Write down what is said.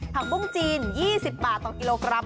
ผักบุ้งจีน๒๐บาทต่อกิโลกรัม